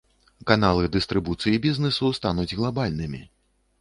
Каналы дыстрыбуцыі бізнэсу стануць глабальнымі.